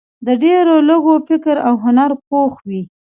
د ډېرو لږو فکر او هنر پوخ وي.